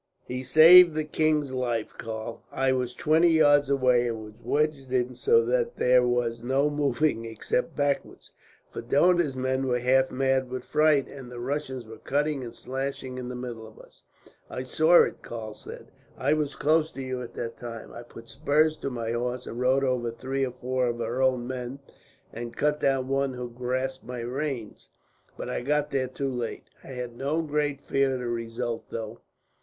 "He saved the king's life, Karl. I was twenty yards away, and was wedged in so that there was no moving, except backwards; for Dohna's men were half mad with fright, and the Russians were cutting and slashing in the middle of us." "I saw it," Karl said. "I was close to you at the time. I put spurs to my horse and rode over three or four of our own men, and cut down one who grasped my reins; but I got there too late. I had no great fear of the result, though.